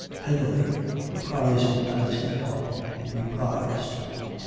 Henley who prize him as he ought to be prized.